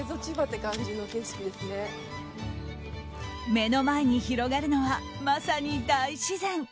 目の前に広がるのはまさに大自然。